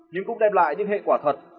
nhưng cũng đem lại những hệ quả thật